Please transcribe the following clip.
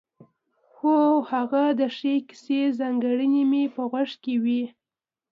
هو هغه د ښې کیسې ځانګړنې مې په غوږ کې وې.